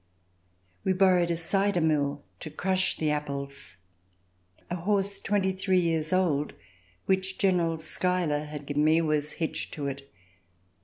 We borrowed a cider mill to crush the apples. A horse twenty three years old which General Schuyler had given me was hitched to it.